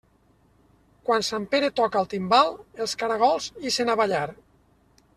Quan sant Pere toca el timbal, els caragols ixen a ballar.